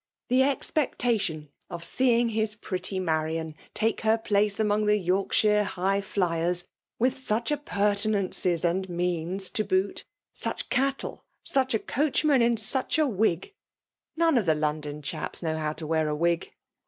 The expec tation of seeing his pretty Marian tiJoe Wr place among the Yorkshire highflyers; Willi 'sueh appurtenances and means to bodt) ^uch ctttile, such a coi&chnmn in sudfi a wig (nolle of the London chaps know how to wear a wig